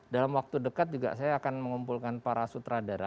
dalam waktu dekat juga saya akan mengumpulkan para sutradara